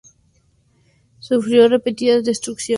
Sufrió repetidas destrucciones durante la Segunda Guerra Mundial.